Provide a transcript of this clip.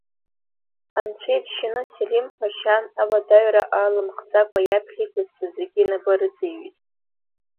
Анцәа иџьшьаны Селим Ԥашьа ауадаҩра алымхӡакәа иаԥхьа иқәсҵаз зегьы инапы рыҵаиҩит.